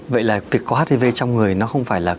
vậy là việc có hdv trong người nó không phải là